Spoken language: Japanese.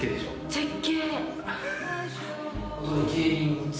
絶景。